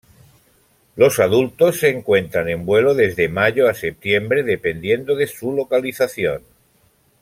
Los adultos se encuentran en vuelo desde Mayo a Septiembre dependiendo de su localización.